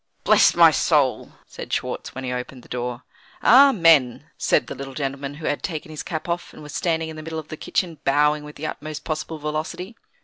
"Bless my soul!" said Schwartz, when he opened the door. "Amen," said the little gentleman, who had taken his cap off, and was standing in the middle of the kitchen, bowing with the utmost possible velocity.